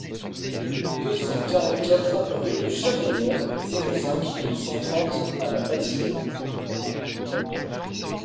deux cent quarante-quatre rue de Chabrière, zéro cinq, deux cent trente à La Bâtie-Neuve